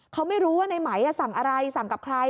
เขาไม่รู้ว่าในไหมสั่งอะไรสั่งกับใคร